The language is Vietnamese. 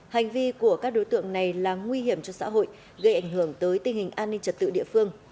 hành vi của các đối tượng này là nguy hiểm cho xã hội gây ảnh hưởng tới tình hình an ninh trật tự địa phương